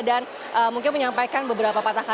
dan mungkin menyampaikan beberapa pertanyaan